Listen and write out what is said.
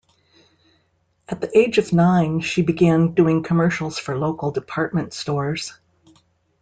At the age of nine, she began doing commercials for local department stores.